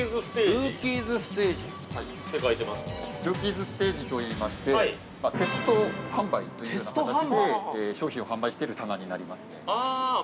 ◆ルーキーズステージといいましてテスト販売というような形で商品を販売してる棚になります。